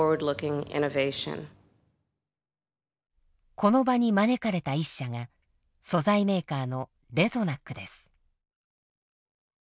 この場に招かれた一社が素材メーカーのレゾナックです。